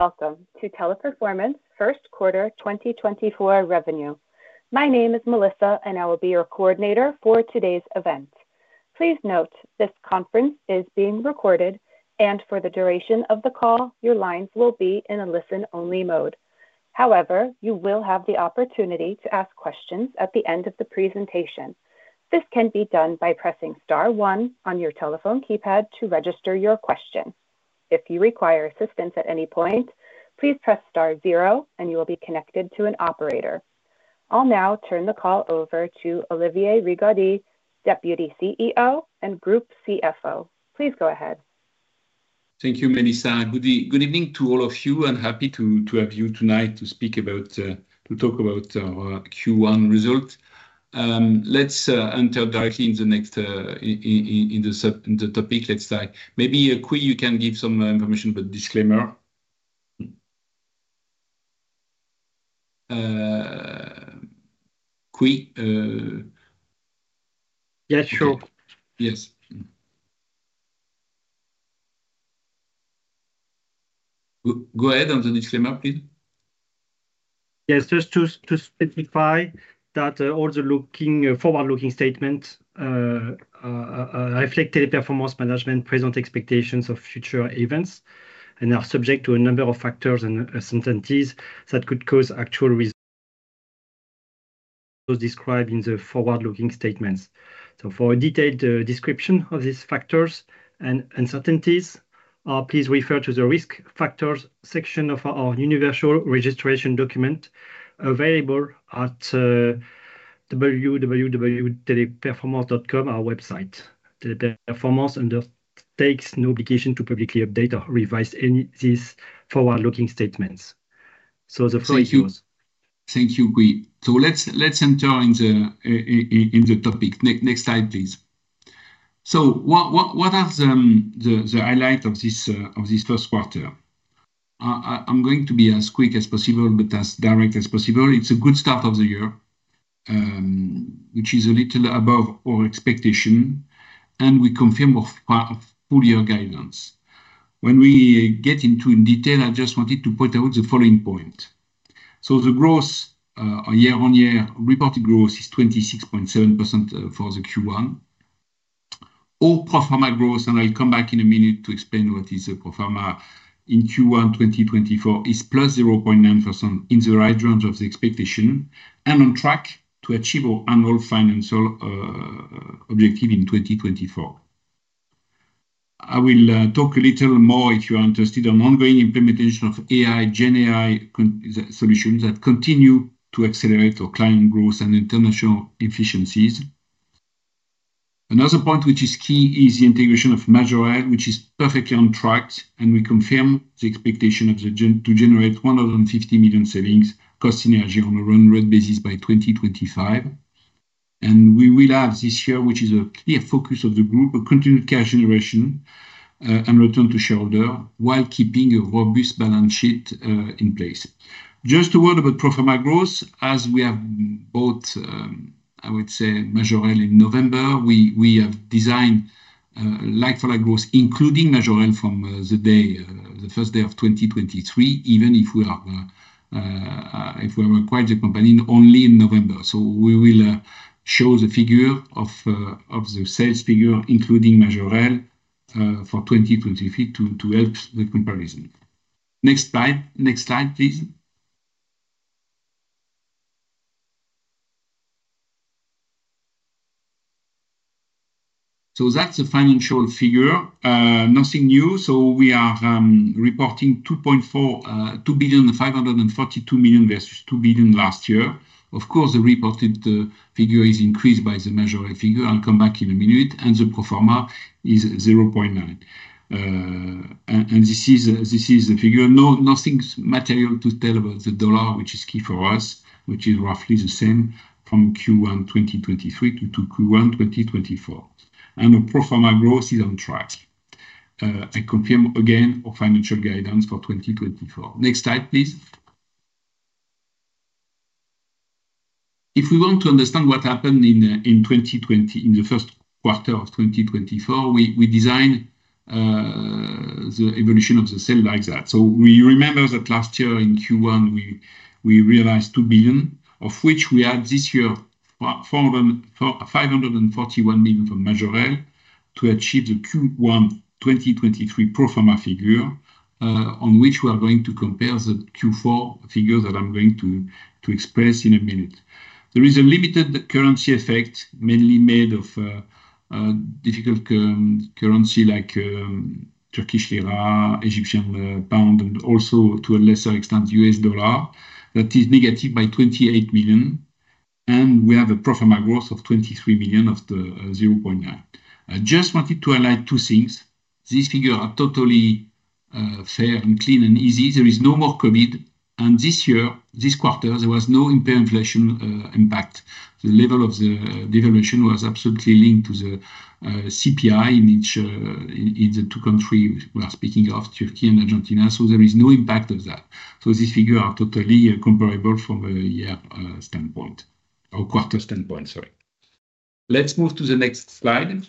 Welcome to Teleperformance first quarter 2024 revenue. My name is Melissa, and I will be your coordinator for today's event. Please note this conference is being recorded, and for the duration of the call your lines will be in a listen-only mode. However, you will have the opportunity to ask questions at the end of the presentation. This can be done by pressing star one on your telephone keypad to register your question. If you require assistance at any point, please press star zero and you will be connected to an operator. I'll now turn the call over to Olivier Rigaudy, Deputy CEO and Group CFO. Please go ahead. Thank you, Melissa. Good evening to all of you, and happy to have you tonight to speak about—to talk about our Q1 result. Let's enter directly into the next topic. Let's start. Maybe Quy, you can give some information, but disclaimer. Quy. Yes, sure. Yes. Go ahead on the disclaimer, please. Yes, just to specify that all the forward-looking statements reflect Teleperformance Management's present expectations of future events and are subject to a number of factors and uncertainties that could cause actual results as described in the forward-looking statements. So for a detailed description of these factors and uncertainties, please refer to the Risk Factors section of our Universal Registration Document available at www.teleperformance.com, our website. Teleperformance undertakes no obligation to publicly update or revise any of these forward-looking statements. So the floor is yours. Thank you, Quy. So let's enter into the topic. Next slide, please. So what are the highlights of this first quarter? I'm going to be as quick as possible but as direct as possible. It's a good start of the year, which is a little above our expectation, and we confirm with full-year guidance. When we get into detail, I just wanted to point out the following points. So the gross, year-on-year, reported growth is 26.7% for the Q1. All pro forma growth and I'll come back in a minute to explain what pro forma is in Q1 2024 is +0.9% in the range of the expectation and on track to achieve our annual financial objective in 2024. I will talk a little more if you are interested in ongoing implementation of AI, GenAI solutions that continue to accelerate our client growth and international efficiencies. Another point which is key is the integration of Majorel, which is perfectly on track, and we confirm the expectation to generate 150 million cost synergies on a run-rate basis by 2025. We will have this year, which is a clear focus of the group, a continued cash generation and return to shareholders while keeping a robust balance sheet in place. Just a word about pro forma growth. As we have bought, I would say, Majorel in November, we have designed pro forma growth including Majorel from the first day of 2023, even if we acquired the company only in November. So we will show the sales figures including Majorel for 2023 to help the comparison. Next slide, please. So that's the financial figure. Nothing new. So we are reporting EUR 2.542 billion versus EUR 2.0 billion last year. Of course, the reported figure is increased by the Majorel figure. I'll come back in a minute. The pro forma is 0.9. This is the figure. Nothing material to tell about the dollar, which is key for us, which is roughly the same from Q1 2023 to Q1 2024. Our pro forma growth is on track. I confirm again our financial guidance for 2024. Next slide, please. If we want to understand what happened in Q1 2024, we designed the evolution of the sales like that. So we remember that last year in Q1 we realized 2.0 billion, of which we had this year 541 million from Majorel to achieve the Q1 2023 pro forma figure on which we are going to compare the Q1 figures that I'm going to express in a minute. There is a limited currency effect, mainly made of difficult currency like Turkish lira, Egyptian pound, and also to a lesser extent U.S. dollar, that is negative by 28 million. We have a pro forma growth of 23 million of the 0.9%. I just wanted to highlight two things. These figures are totally fair and clean and easy. There is no more COVID. This year, this quarter, there was no impact on inflation. The level of the devaluation was absolutely linked to the CPI in the two countries we are speaking of, Turkey and Argentina. There is no impact of that. These figures are totally comparable from a year standpoint or quarter standpoint, sorry. Let's move to the next slide.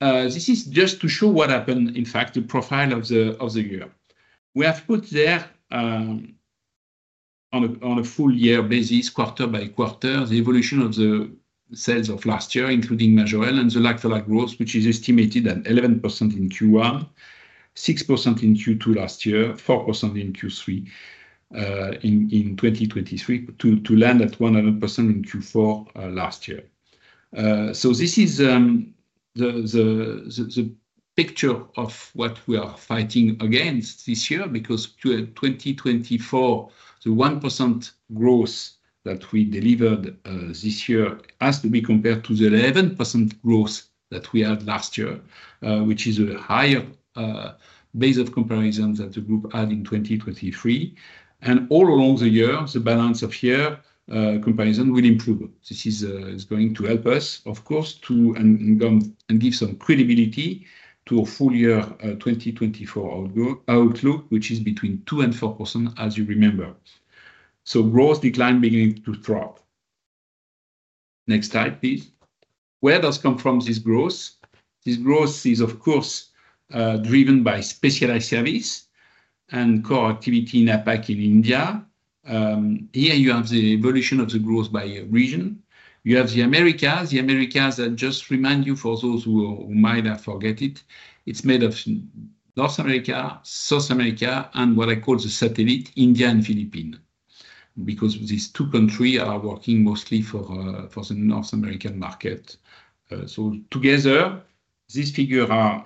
This is just to show what happened, in fact, the profile of the year. We have put there on a full-year basis, quarter by quarter, the evolution of the sales of last year, including Majorel and the like-for-like growth, which is estimated at 11% in Q1, 6% in Q2 last year, 4% in Q3 in 2023, to land at 11% in Q4 last year. So this is the picture of what we are fighting against this year because 2024, the 1% growth that we delivered this year has to be compared to the 11% growth that we had last year, which is a higher base of comparison that the group had in 2023. And all along the year, the year-over-year comparison will improve. This is going to help us, of course, to give some credibility to our full-year 2024 outlook, which is between 2% and 4%, as you remember. So growth decline beginning to drop. Next slide, please. Where does this growth come from? This growth is, of course, driven by Specialized Services and core activity in APAC in India. Here you have the evolution of the growth by region. You have the Americas. The Americas, I just remind you for those who might have forgotten it, it's made of North America, South America, and what I call the satellite, India and Philippines, because these two countries are working mostly for the North American market. So together, these figures are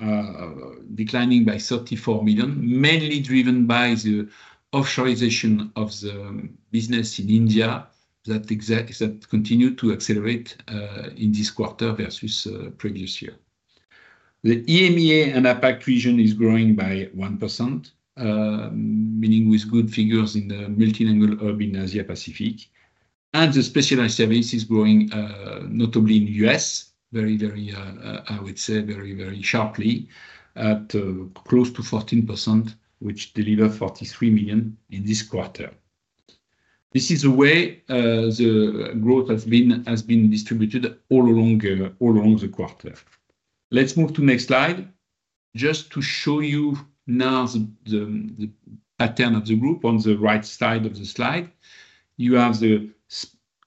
declining by 34 million, mainly driven by the offshoring of the business in India that continued to accelerate in this quarter versus previous year. The EMEA and APAC region is growing by 1%, meaning we have good figures in the multilingual hub in Asia-Pacific. The Specialized Services is growing notably in the U.S., very, very, I would say, very, very sharply at close to 14%, which delivered 43 million in this quarter. This is the way the growth has been distributed all along the quarter. Let's move to the next slide. Just to show you now the pattern of the group on the right side of the slide,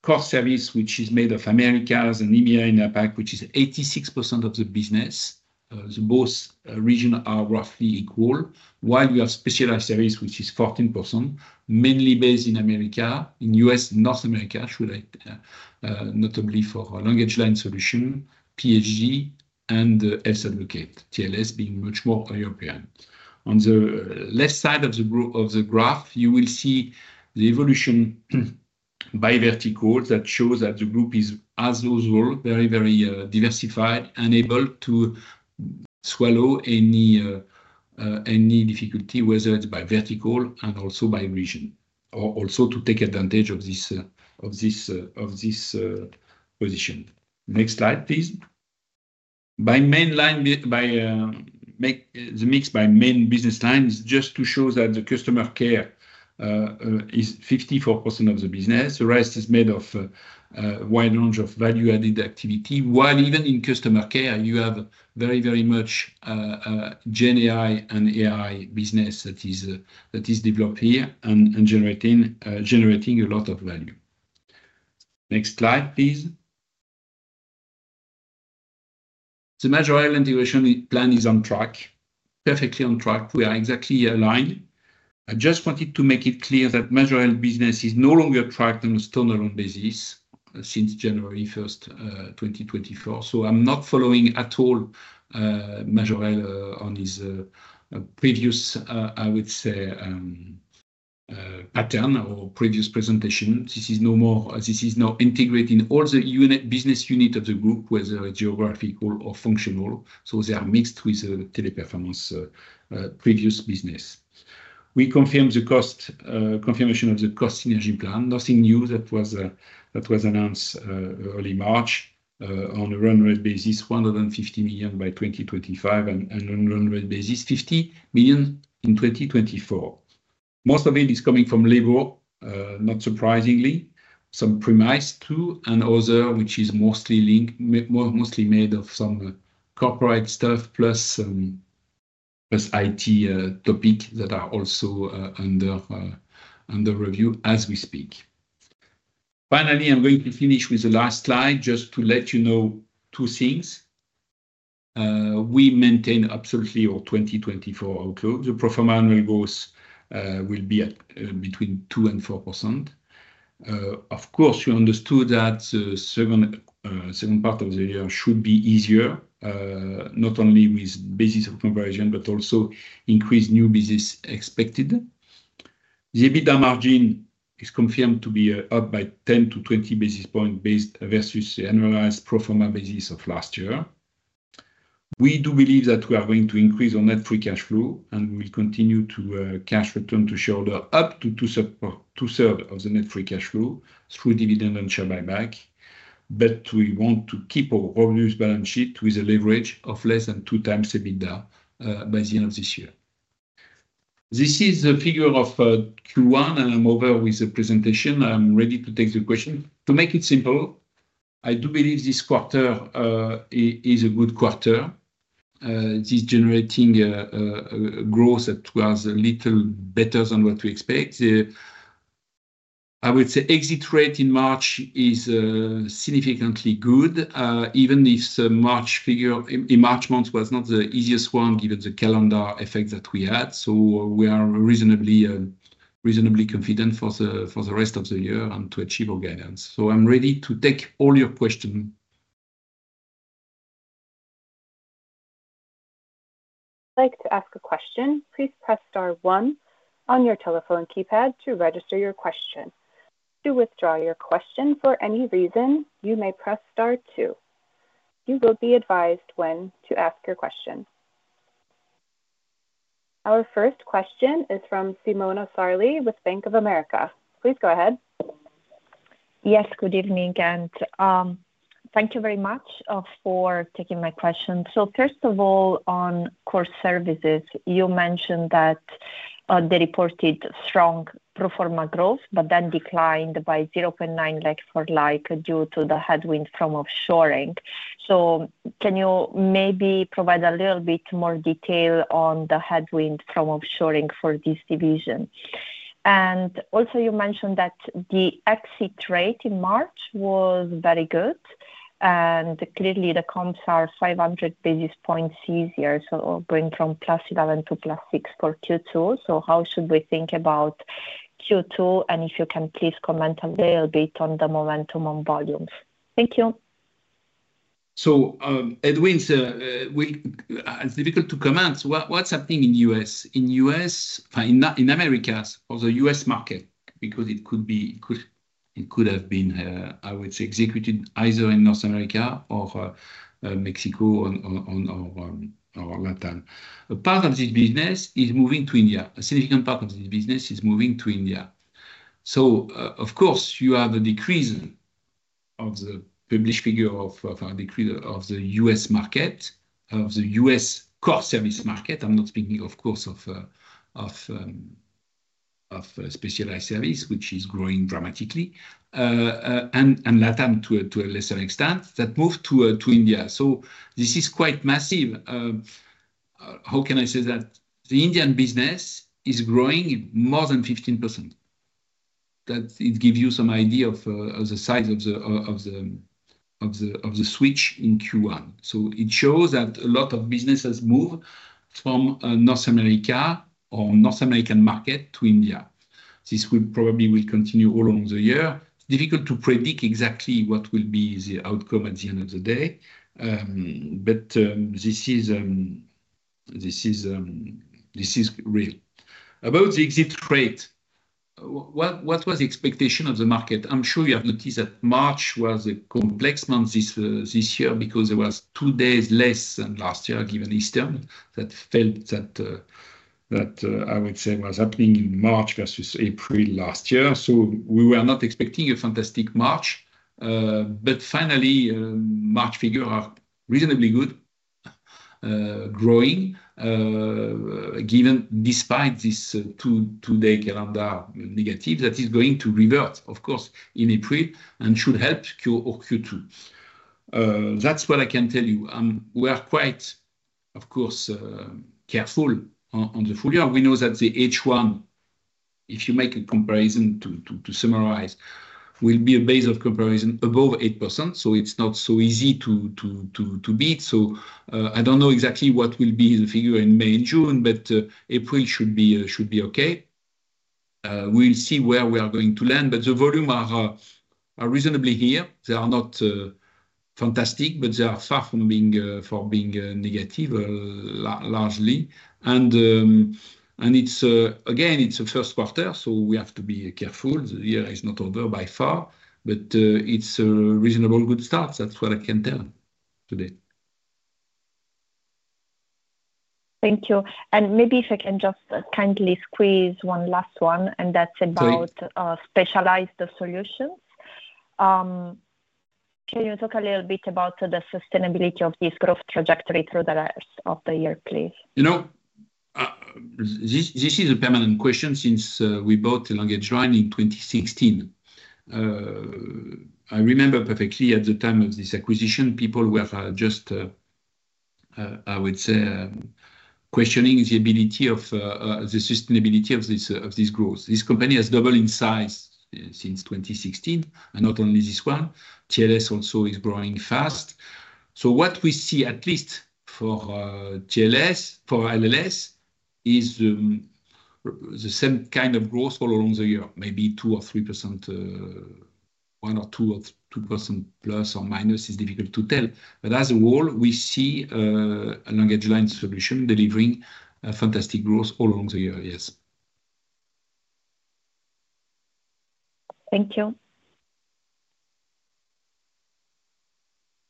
you have the Core Services, which is made of Americas and EMEA and APAC, which is 86% of the business. Both regions are roughly equal, while we have Specialized Services, which is 14%, mainly based in Americas, in the U.S., North America, notably for LanguageLine Solutions, PSG Global Solutions, and Health Advocate, TLScontact being much more European. On the left side of the graph, you will see the evolution by vertical that shows that the group is, as usual, very, very diversified, unable to swallow any difficulty, whether it's by vertical and also by region, or also to take advantage of this position. Next slide, please. The mix by main business line is just to show that the customer care is 54% of the business. The rest is made of a wide range of value-added activity, while even in customer care, you have very, very much GenAI and AI business that is developed here and generating a lot of value. Next slide, please. The Majorel integration plan is on track, perfectly on track. We are exactly aligned. I just wanted to make it clear that Majorel business is no longer tracked on a standalone basis since January 1st, 2024. So I'm not following at all Majorel on his previous, I would say, pattern or previous presentation. This is no more integrating all the business units of the group, whether it's geographical or functional. So they are mixed with the Teleperformance previous business. We confirm the cost confirmation of the cost synergy plan. Nothing new. That was announced early March on a run-rate basis, 150 million by 2025, and on a run-rate basis, 50 million in 2024. Most of it is coming from labor, not surprisingly, some premises too, and other, which is mostly made of some corporate stuff plus IT topics that are also under review as we speak. Finally, I'm going to finish with the last slide just to let you know two things. We maintain absolutely our 2024 outlook. The pro forma annual growth will be between 2%-4%. Of course, we understood that the second part of the year should be easier, not only with basis of comparison but also increased new business expected. The EBITDA margin is confirmed to be up by 10-20 basis points versus the annualized pro forma basis of last year. We do believe that we are going to increase our net free cash flow, and we will continue to cash return to shareholders up to two-thirds of the net free cash flow through dividend and share buyback. But we want to keep our robust balance sheet with a leverage of less than 2x EBITDA by the end of this year. This is the figure of Q1, and I'm over with the presentation. I'm ready to take the questions. To make it simple, I do believe this quarter is a good quarter. It is generating growth that was a little better than what we expected. I would say exit rate in March is significantly good, even if March figure in March month was not the easiest one given the calendar effect that we had. So we are reasonably confident for the rest of the year and to achieve our guidance. So I'm ready to take all your questions. I'd like to ask a question. Please press star one on your telephone keypad to register your question. To withdraw your question for any reason, you may press star two. You will be advised when to ask your question. Our first question is from Simona Sarli with Bank of America. Please go ahead. Yes. Good evening. Thank you very much for taking my question. First of all, on Core Services, you mentioned that they reported strong pro forma growth but then declined by 0.9% due to the headwind from offshoring. Can you maybe provide a little bit more detail on the headwind from offshoring for this division? Also, you mentioned that the exit rate in March was very good. Clearly, the comps are 500 basis points easier, so going from +11 to +6 for Q2. How should we think about Q2? If you can please comment a little bit on the momentum on volumes? Thank you. So headwind, it's difficult to comment. So what's happening in the U.S.? In the U.S., in Americas or the U.S. market, because it could have been, I would say, executed either in North America or Mexico or Latin America. Part of this business is moving to India. A significant part of this business is moving to India. So of course, you have a decrease of the published figure of the U.S. market, of the U.S. core service market. I'm not speaking, of course, of Specialized Service, which is growing dramatically, and Latin America to a lesser extent that moved to India. So this is quite massive. How can I say that? The Indian business is growing more than 15%. It gives you some idea of the size of the switch in Q1. So it shows that a lot of businesses move from North America or North American market to India. This probably will continue all along the year. It's difficult to predict exactly what will be the outcome at the end of the day. But this is real. About the exit rate, what was the expectation of the market? I'm sure you have noticed that March was a complex month this year because there was two days less than last year given Easter that fell, I would say, was happening in March versus April last year. So we were not expecting a fantastic March. But finally, March figures are reasonably good, growing despite this two day calendar negative that is going to revert, of course, in April and should help Q2. That's what I can tell you. We are quite, of course, careful on the full year. We know that the H1, if you make a comparison to summarize, will be a base of comparison above 8%. So it's not so easy to beat. So I don't know exactly what will be the figure in May and June, but April should be okay. We'll see where we are going to land. But the volumes are reasonably here. They are not fantastic, but they are far from being negative, largely. And again, it's the first quarter, so we have to be careful. The year is not over by far, but it's a reasonable good start. That's what I can tell today. Thank you. Maybe if I can just kindly squeeze one last one, and that's about specialized solutions. Can you talk a little bit about the sustainability of this growth trajectory through the rest of the year, please? This is a permanent question since we bought the LanguageLine in 2016. I remember perfectly at the time of this acquisition, people were just, I would say, questioning the sustainability of this growth. This company has doubled in size since 2016, and not only this one. TLS also is growing fast. So what we see, at least for LLS, is the same kind of growth all along the year, maybe 2%-3%, 1%-2% ± is difficult to tell. But as a whole, we see a LanguageLine Solutions delivering fantastic growth all along the year, yes. Thank you.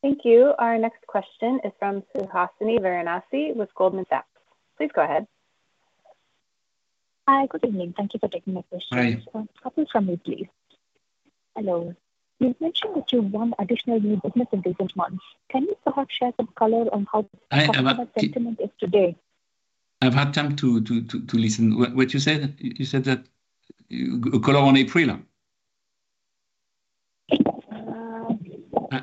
Thank you. Our next question is from Suhasini Varanasi with Goldman Sachs. Please go ahead. Hi. Good evening. Thank you for taking my question. Hi. A question from me, please. Hello. You've mentioned that you won additional new business in recent months. Can you perhaps share some color on how the sentiment is today? I've had time to listen. What you said? You said that color on April?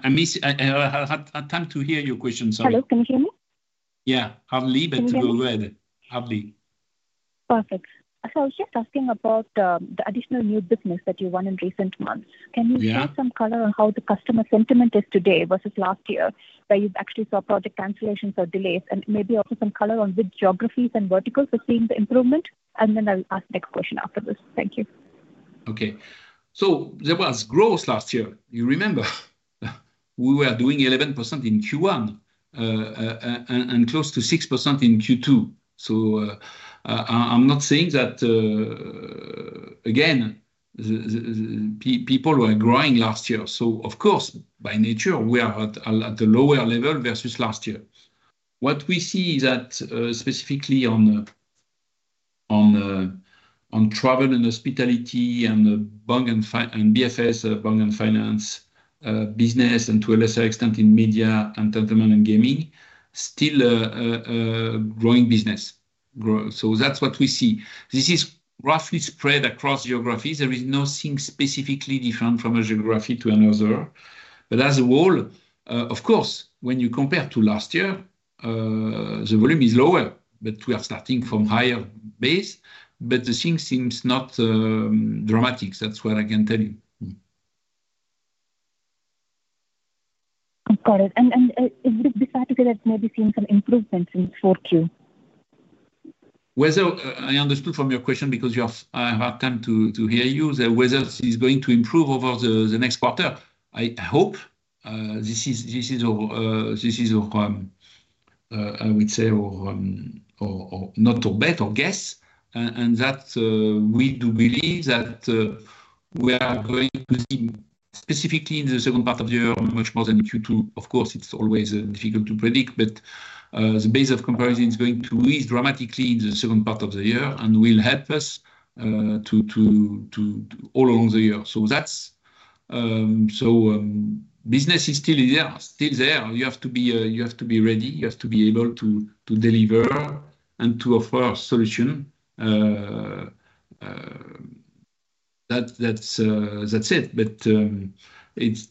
Yes. I had time to hear your question. Sorry. Hello. Can you hear me? Yeah. Hardly, but go ahead. Can you hear me? Hardly. Perfect. So just asking about the additional new business that you won in recent months. Can you share some color on how the customer sentiment is today versus last year where you actually saw project cancellations or delays, and maybe also some color on which geographies and verticals are seeing the improvement? And then I'll ask the next question after this. Thank you. Okay. So there was growth last year. You remember. We were doing 11% in Q1 and close to 6% in Q2. So I'm not saying that, again, people were growing last year. So of course, by nature, we are at the lower level versus last year. What we see is that specifically on travel and hospitality and BFS, bank and finance business, and to a lesser extent in media and entertainment and gaming, still growing business. So that's what we see. This is roughly spread across geographies. There is nothing specifically different from a geography to another. But as a whole, of course, when you compare to last year, the volume is lower, but we are starting from higher base. But the thing seems not dramatic. That's what I can tell you. Got it. Is it a bit sad to say that it's maybe seen some improvement since 4Q? I understood from your question because I have had time to hear you, whether it is going to improve over the next quarter. I hope. This is, I would say, not to bet or guess. We do believe that we are going to see specifically in the second part of the year much more than Q2. Of course, it's always difficult to predict, but the base of comparison is going to ease dramatically in the second part of the year and will help us all along the year. So business is still there. You have to be ready. You have to be able to deliver and to offer solutions. That's it. But it's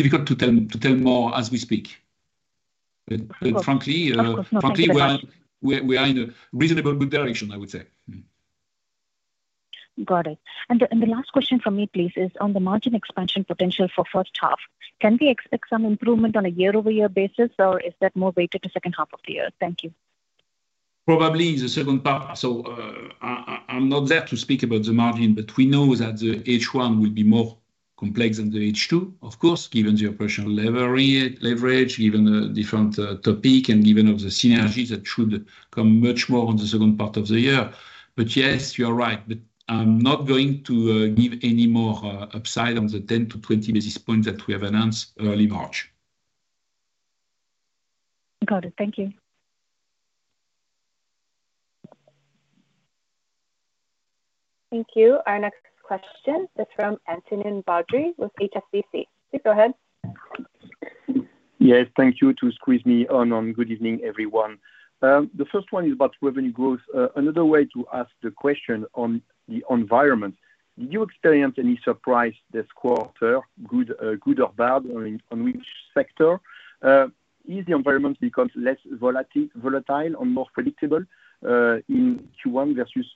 difficult to tell more as we speak. But frankly, we are in a reasonable good direction, I would say. Got it. And the last question from me, please, is on the margin expansion potential for first half. Can we expect some improvement on a year-over-year basis, or is that more weighted to second half of the year? Thank you. Probably the second half. So I'm not there to speak about the margin, but we know that the H1 will be more complex than the H2, of course, given the operational leverage, given the different topic, and given the synergies that should come much more on the second part of the year. But yes, you are right. But I'm not going to give any more upside on the 10-20 basis points that we have announced early March. Got it. Thank you. Thank you. Our next question is from Antonin Baudry with HSBC. Please go ahead. Yes. Thank you for squeezing me in. Good evening, everyone. The first one is about revenue growth. Another way to ask the question on the environment, did you experience any surprise this quarter, good or bad, on which sector? Is the environment become less volatile and more predictable in Q1 versus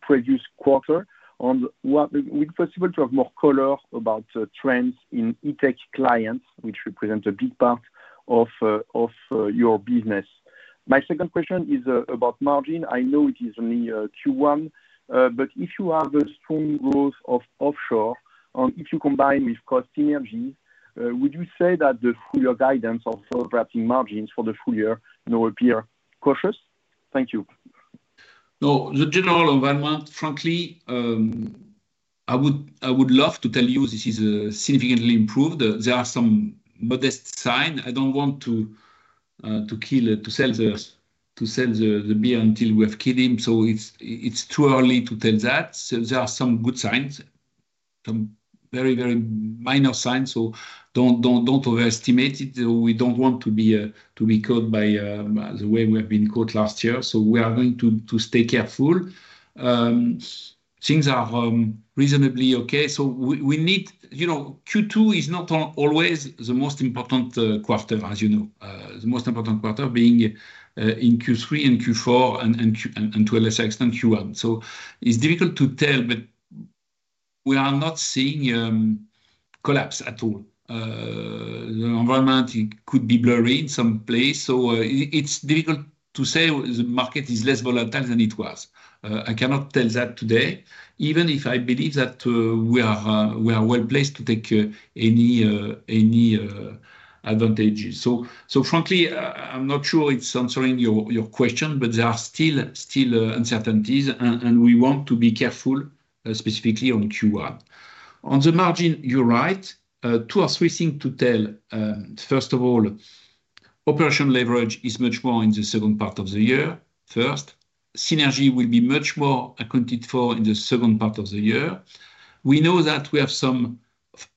previous quarter? And would it be possible to have more color about trends in tech clients, which represent a big part of your business? My second question is about margin. I know it is only Q1, but if you have a strong growth of offshore, and if you combine with cost synergies, would you say that the full-year guidance or full operating margins for the full year now appear cautious? Thank you. No, the general environment, frankly, I would love to tell you this is significantly improved. There are some modest signs. I don't want to sell the bear until we have killed it. So it's too early to tell that. There are some good signs, some very, very minor signs. So don't overestimate it. We don't want to be caught by the way we have been caught last year. So we are going to stay careful. Things are reasonably okay. So, you know, Q2 is not always the most important quarter, as you know, the most important quarter being in Q3 and Q4 and to a lesser extent Q1. So it's difficult to tell, but we are not seeing collapse at all. The environment could be blurry in some place. So it's difficult to say the market is less volatile than it was. I cannot tell that today, even if I believe that we are well placed to take any advantages. So frankly, I'm not sure it's answering your question, but there are still uncertainties, and we want to be careful specifically on Q1. On the margin, you're right. Two or three things to tell. First of all, operational leverage is much more in the second part of the year. First, synergy will be much more accounted for in the second part of the year. We know that we have some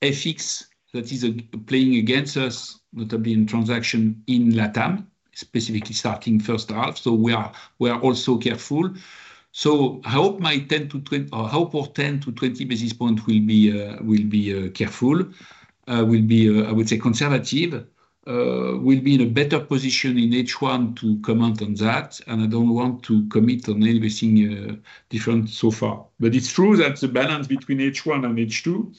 FX that is playing against us, notably in transaction in Latin, specifically starting first half. So we are also careful. So I hope our 10-20 basis points will be careful, will be, I would say, conservative, will be in a better position in H1 to comment on that. And I don't want to commit on anything different so far. But it's true that the balance between H1 and H2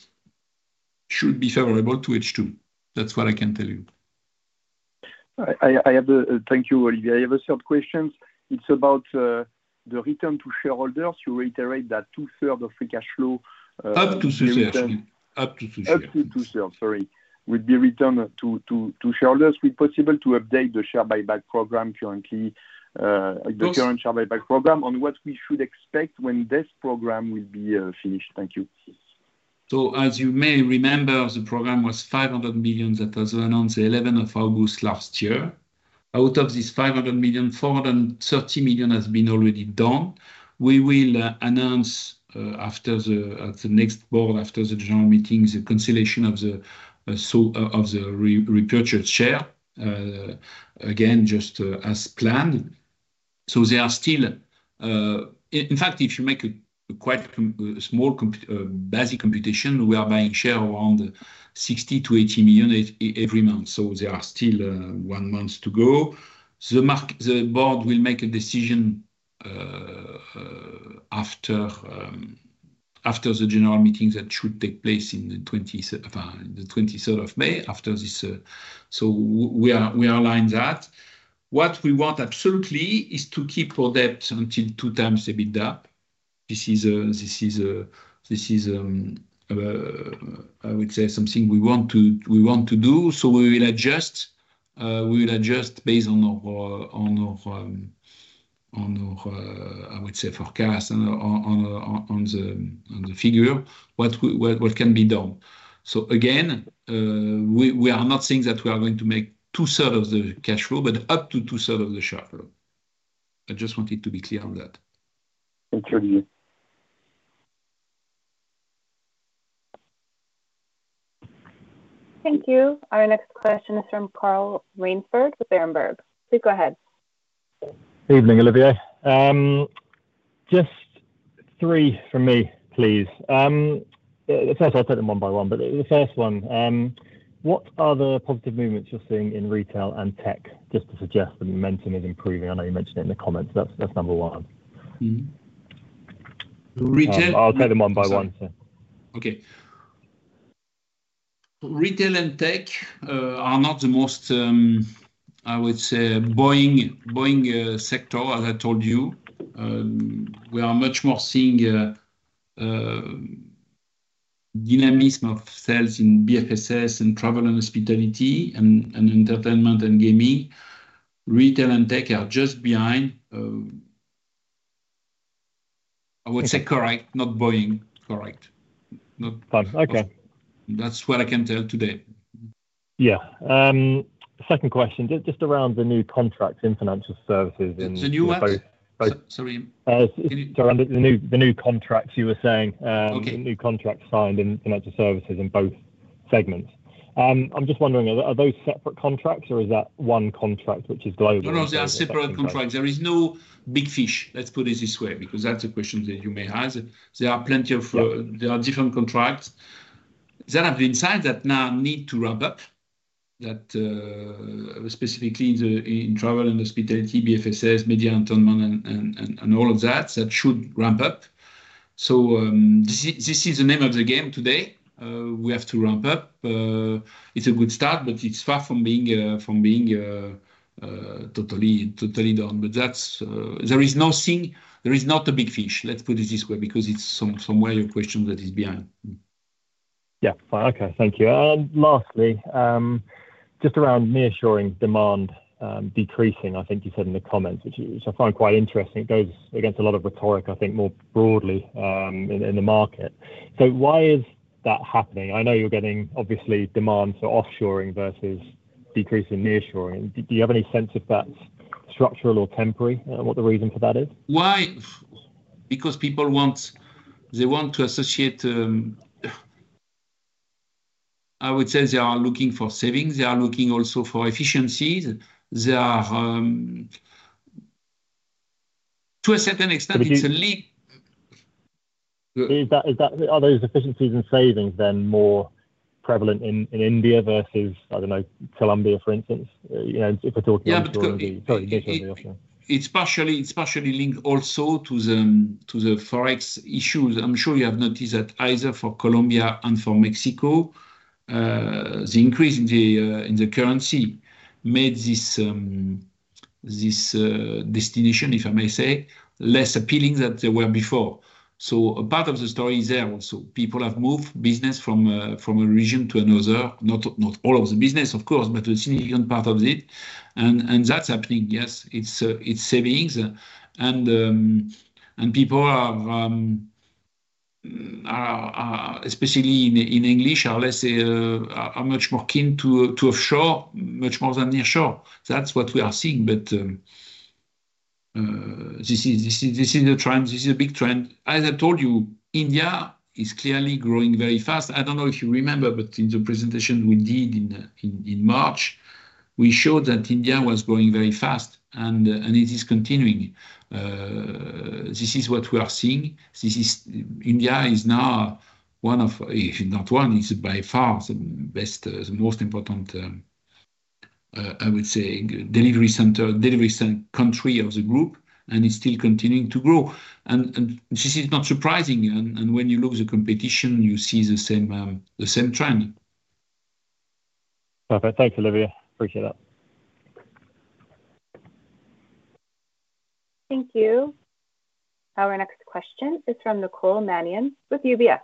should be favorable to H2. That's what I can tell you. Thank you, Olivier. I have a third question. It's about the return to shareholders. You reiterate that 2/3 of free cash flow. Up to 2/3. Up to 2/3. Sorry. Will be returned to shareholders. It's possible to update the share buyback program currently, the current share buyback program, on what we should expect when this program will be finished. Thank you. So as you may remember, the program was 500 million that was announced the 11th of August last year. Out of this 500 million, 430 million has been already done. We will announce at the next board, after the general meeting, the cancellation of the repurchased shares, again, just as planned. So there are still in fact, if you make a quite small basic computation, we are buying shares around 60 million-80 million every month. So there are still one month to go. The board will make a decision after the general meeting that should take place on the 23rd of May after this. So we align that. What we want absolutely is to keep our debt until 2x the EBITDA. This is, I would say, something we want to do. So we will adjust based on our, I would say, forecast and on the figure what can be done. So again, we are not saying that we are going to make two-thirds of the cash flow, but up to two-thirds of the cash flow. I just wanted to be clear on that. Thank you, Olivier. Thank you. Our next question is from Carl Raynsford with Berenberg. Please go ahead. Good evening, Olivier. Just three from me, please. First, I'll take them one by one. But the first one, what are the positive movements you're seeing in retail and tech, just to suggest the momentum is improving? I know you mentioned it in the comments. That's number one. Retail? I'll take them one by one, sir. Okay. Retail and tech are not the most, I would say, booming sector, as I told you. We are much more seeing dynamism of sales in BFS and travel and hospitality and entertainment and gaming. Retail and tech are just behind, I would say, correct, not booming, correct. Fine. Okay. That's what I can tell today. Yeah. Second question, just around the new contracts in financial services in both. The new what? Sorry. Sorry. The new contracts you were saying, the new contracts signed in financial services in both segments. I'm just wondering, are those separate contracts, or is that one contract which is global? No, no. They are separate contracts. There is no big fish, let's put it this way, because that's a question that you may ask. There are plenty of different contracts that have been signed that now need to ramp up, specifically in travel and hospitality, BFSI, media entertainment, and all of that that should ramp up. So this is the name of the game today. We have to ramp up. It's a good start, but it's far from being totally done. But there is not a big fish, let's put it this way, because it's somewhere your question that is behind. Yeah. Fine. Okay. Thank you. And lastly, just around resourcing demand decreasing, I think you said in the comments, which I find quite interesting. It goes against a lot of rhetoric, I think, more broadly in the market. So why is that happening? I know you're getting, obviously, demand for offshoring versus decrease in resourcing. Do you have any sense if that's structural or temporary, what the reason for that is? Because people want they want to associate, I would say they are looking for savings. They are looking also for efficiencies. To a certain extent, it's a leap. Are those efficiencies and savings then more prevalent in India versus, I don't know, Colombia, for instance, if we're talking offshore? Yeah, but sorry. Sorry. It's partially linked also to the forex issues. I'm sure you have noticed that either for Colombia and for Mexico, the increase in the currency made this destination, if I may say, less appealing than they were before. So a part of the story is there also. People have moved business from a region to another, not all of the business, of course, but a significant part of it. And that's happening, yes. It's savings. And people, especially in English, are much more keen to offshore, much more than nearshore. That's what we are seeing. But this is a trend. This is a big trend. As I told you, India is clearly growing very fast. I don't know if you remember, but in the presentation we did in March, we showed that India was growing very fast, and it is continuing. This is what we are seeing. India is now one of if not one, it's by far the most important, I would say, delivery country of the group, and it's still continuing to grow. When you look at the competition, you see the same trend. Perfect. Thanks, Olivier. Appreciate that. Thank you. Our next question is from Nicole Manion with UBS.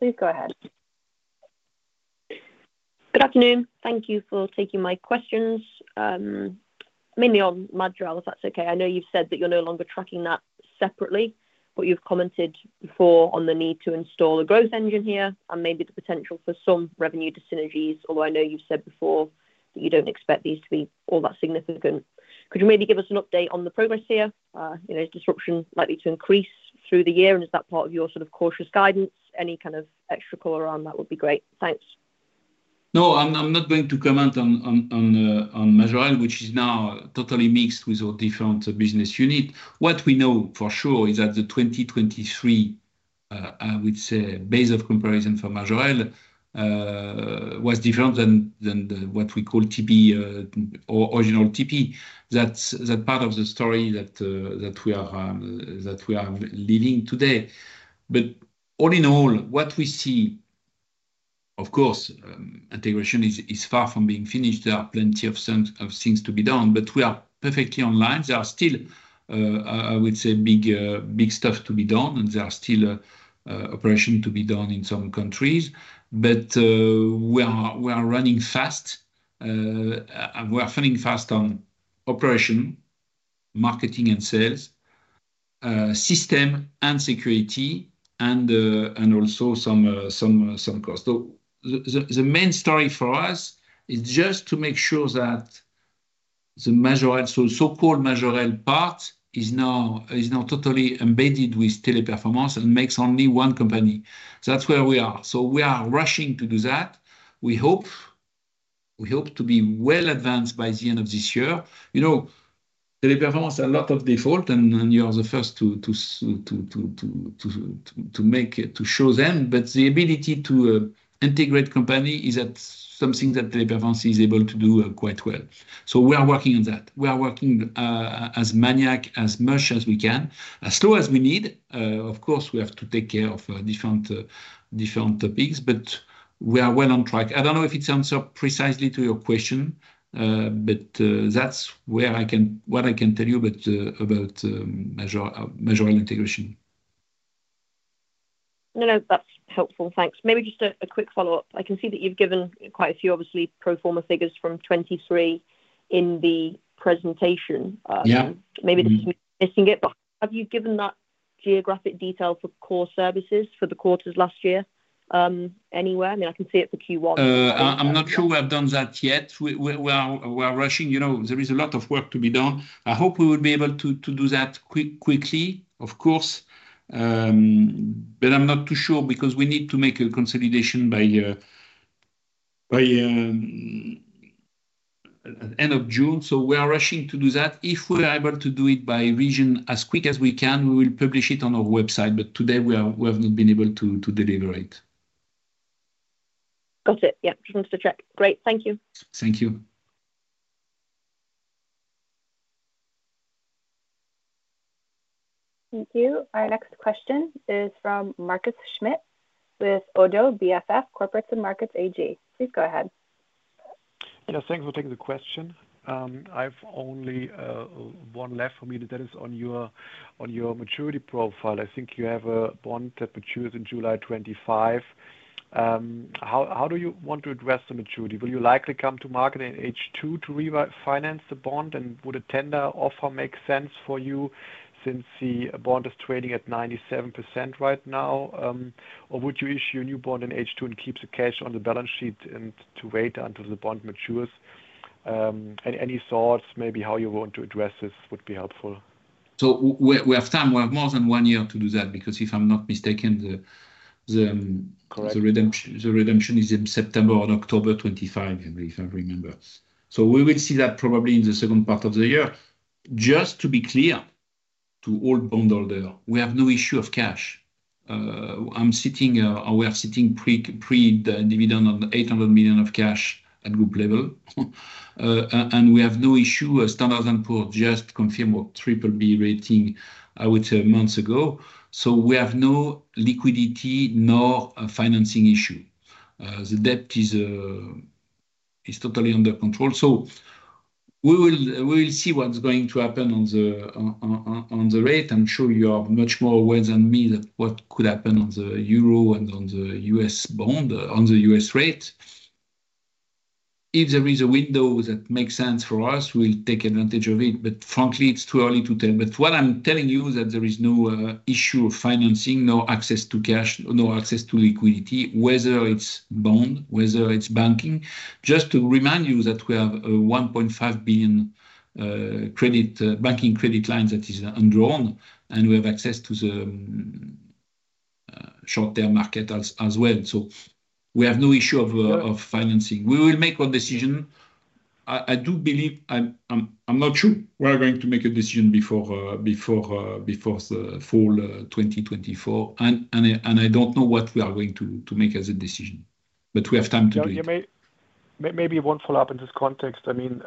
Please go ahead. Good afternoon. Thank you for taking my questions, mainly on Majorel, if that's okay. I know you've said that you're no longer tracking that separately, but you've commented before on the need to install a growth engine here and maybe the potential for some revenue to synergies, although I know you've said before that you don't expect these to be all that significant. Could you maybe give us an update on the progress here? Is disruption likely to increase through the year, and is that part of your sort of cautious guidance? Any kind of extra color on that would be great. Thanks. No, I'm not going to comment on Majorel, which is now totally mixed with our different business unit. What we know for sure is that the 2023, I would say, base of comparison for Majorel was different than what we call TP, original TP. That's part of the story that we are living today. But all in all, what we see, of course, integration is far from being finished. There are plenty of things to be done, but we are perfectly on line. There are still, I would say, big stuff to be done, and there are still operations to be done in some countries. But we are running fast. We are running fast on operation, marketing, and sales, system and security, and also some cost. The main story for us is just to make sure that the so-called Majorel part is now totally embedded with Teleperformance and makes only one company. That's where we are. We are rushing to do that. We hope to be well advanced by the end of this year. Teleperformance has a lot of deals, and you are the first to know them. But the ability to integrate companies is something that Teleperformance is able to do quite well. We are working on that. We are working as maniacally as we can, as slow as we need. Of course, we have to take care of different topics, but we are well on track. I don't know if it answers precisely to your question, but that's what I can tell you about Majorel integration. No, no. That's helpful. Thanks. Maybe just a quick follow-up. I can see that you've given quite a few, obviously, pro forma figures from 2023 in the presentation. Maybe this is me missing it, but have you given that geographic detail for core services for the quarters last year anywhere? I mean, I can see it for Q1. I'm not sure we have done that yet. We are rushing. There is a lot of work to be done. I hope we would be able to do that quickly, of course, but I'm not too sure because we need to make a consolidation by the end of June. So we are rushing to do that. If we are able to do it by region as quick as we can, we will publish it on our website. But today, we have not been able to deliver it. Got it. Yeah. Just wanted to check. Great. Thank you. Thank you. Thank you. Our next question is from Markus Schmidt with ODDO BHF Corporates and Markets AG. Please go ahead. Thanks for taking the question. I have only one left for me that is on your maturity profile. I think you have a bond that matures in July 2025. How do you want to address the maturity? Will you likely come to market in H2 to refinance the bond, and would a tender offer make sense for you since the bond is trading at 97% right now, or would you issue a new bond in H2 and keep the cash on the balance sheet and to wait until the bond matures? Any thoughts, maybe how you want to address this would be helpful. So we have time. We have more than one year to do that because if I'm not mistaken, the redemption is in September or October 2025, if I remember. So we will see that probably in the second part of the year. Just to be clear to all bondholder, we have no issue of cash. We are sitting pre-dividend on 800 million of cash at group level, and we have no issue. Standard & Poor's just confirmed our BBB rating, I would say, months ago. So we have no liquidity nor financing issue. The debt is totally under control. So we will see what's going to happen on the rate. I'm sure you are much more aware than me of what could happen on the euro and on the U.S. bond, on the U.S. rate. If there is a window that makes sense for us, we'll take advantage of it. Frankly, it's too early to tell. What I'm telling you is that there is no issue of financing, no access to cash, no access to liquidity, whether it's bond, whether it's banking. Just to remind you that we have a 1.5 billion banking credit line that is undrawn, and we have access to the short-term market as well. So we have no issue of financing. We will make our decision. I do believe I'm not sure we are going to make a decision before the fall 2024, and I don't know what we are going to make as a decision, but we have time to do it. Maybe one follow-up in this context. I mean,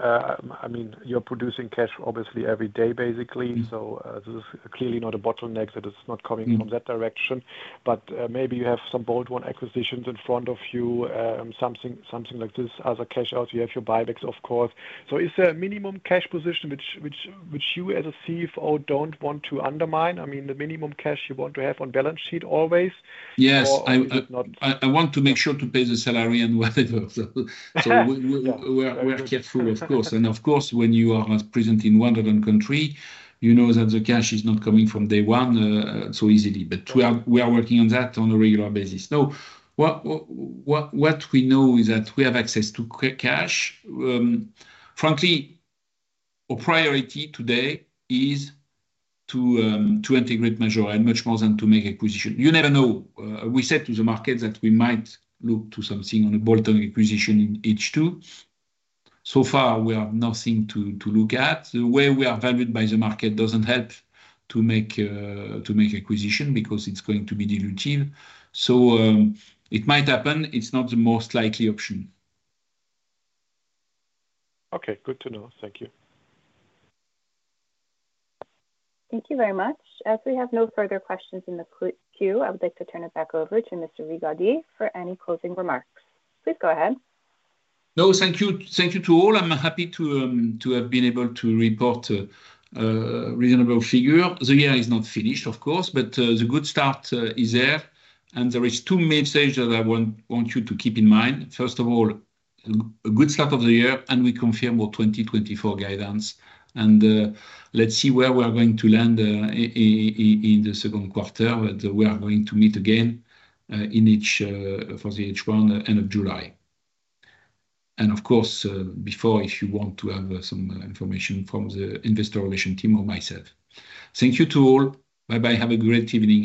you're producing cash, obviously, every day, basically. So this is clearly not a bottleneck that is not coming from that direction. But maybe you have some bold-on acquisitions in front of you, something like this, other cash out. You have your buybacks, of course. So is there a minimum cash position which you, as a CFO, don't want to undermine? I mean, the minimum cash you want to have on balance sheet always? Yes. I want to make sure to pay the salary and whatever. So we are careful, of course. And of course, when you are present in one other country, you know that the cash is not coming from day one so easily. But we are working on that on a regular basis. Now, what we know is that we have access to cash. Frankly, our priority today is to integrate Majorel much more than to make acquisition. You never know. We said to the market that we might look to something on a bolt-on acquisition in H2. So far, we have nothing to look at. The way we are valued by the market doesn't help to make acquisition because it's going to be dilutive. So it might happen. It's not the most likely option. Okay. Good to know. Thank you. Thank you very much. As we have no further questions in the queue, I would like to turn it back over to Mr. Rigaudy for any closing remarks. Please go ahead. No, thank you to all. I'm happy to have been able to report a reasonable figure. The year is not finished, of course, but the good start is there. There is two messages that I want you to keep in mind. First of all, a good start of the year, and we confirm our 2024 guidance. Let's see where we are going to land in the second quarter, but we are going to meet again for the H1 end of July. Of course, before, if you want to have some information from the investor relations team or myself. Thank you to all. Bye-bye. Have a great evening.